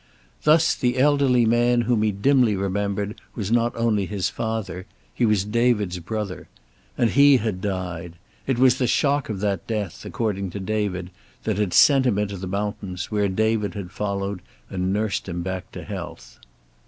Thus, the elderly man whom he dimly remembered was not only his father; he was David's brother. And he had died. It was the shock of that death, according to David, that had sent him into the mountains, where David had followed and nursed him back to health.